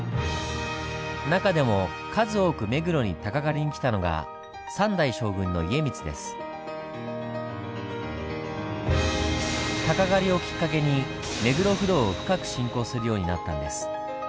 中でも数多く目黒に鷹狩りに来たのが鷹狩りをきっかけに目黒不動を深く信仰するようになったんです。